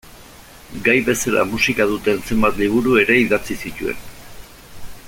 Gai bezala musika duten zenbait liburu ere idatzi zituen.